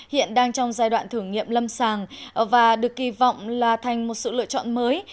hiện đang trong giai đoạn thử nghiệm lâm sàng và được kỳ vọng là thành một sự lựa chọn mới